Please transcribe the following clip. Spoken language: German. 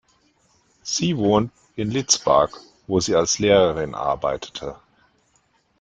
Sie wohnt in Lidzbark, wo sie als Lehrerin arbeitete.